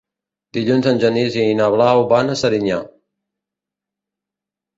Dilluns en Genís i na Blau van a Serinyà.